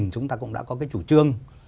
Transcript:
chúng ta cũng đã có cái chủ trương